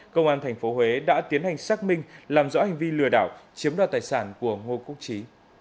công an tp huế đã tiến hành xác minh làm rõ hành vi lừa đảo chiếm đoạt tài sản của ngô quốc trí